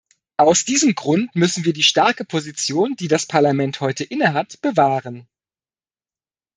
Aus diesem Grund müssen wir die starke Position, die das Parlament heute innehat, bewahren.